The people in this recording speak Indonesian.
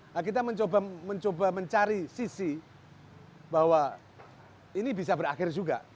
nah kita mencoba mencari sisi bahwa ini bisa berakhir juga